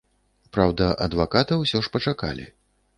Праўда, адваката ўсё ж пачакалі.